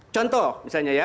contoh misalnya ya